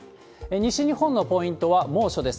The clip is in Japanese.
西日本のポイントは、猛暑です。